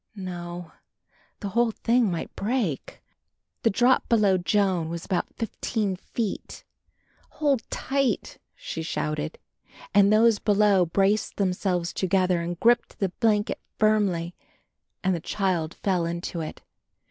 No, the whole thing might break. The drop below Joan was about fifteen feet. "Hold tight," she shouted, and those below braced themselves together and gripped the blanket firmly and the child fell into it.